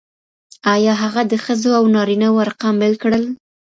آيا هغه د ښځو او نارينه وو ارقام بېل کړل؟